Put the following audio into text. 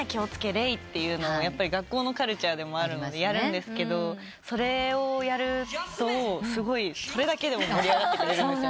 礼」って学校のカルチャーでもあるのでやるんですけどそれをやるとそれだけでも盛り上がってくれるんです。